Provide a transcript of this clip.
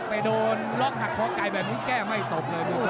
ไปโดนล็อกหักข้อกไกดแบบนี้แก้ไม่ตบเลยมีฆนเล็ก